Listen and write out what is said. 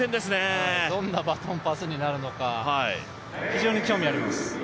どんなバトンパスになるのか非常に興味あります。